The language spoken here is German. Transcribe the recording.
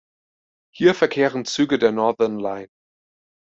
Hier verkehren Züge der Northern Line.